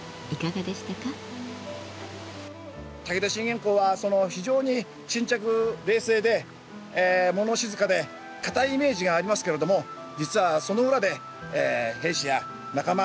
武田信玄公は非常に沈着冷静で物静かで堅いイメージがありますけれども実はその裏で兵士や仲間